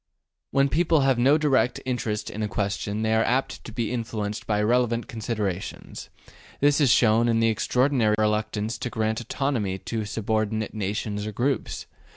When people have no direct interest in a question they are very apt to be influenced by irrelevant considerations; this is shown in the extraordinary reluctance to grant autonomy to subordinate nations or groups.